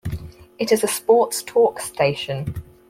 It is a sports talk station.